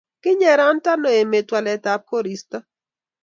kinyerantano emet waletab koristo?